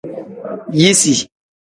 Yisi.